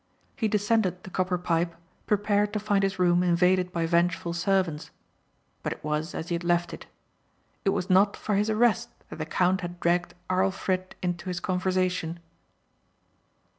He descended the copper pipe prepared to find his room invaded by vengeful servants. But it was as he had left it. It was not for his arrest that the count had dragged Arlfrit into his conversation.